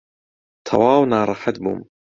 تەواو ناڕەحەت بووم.